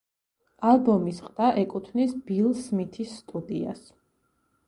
ალბომის ყდა ეკუთვნის ბილ სმითის სტუდიას.